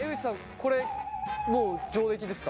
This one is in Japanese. これもう上出来ですか？